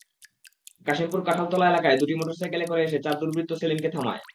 কাশিমপুর কাঁঠালতলা এলাকায় দুটি মোটরসাইকেলে করে এসে চার দুর্বৃত্ত সেলিমকে থামায়।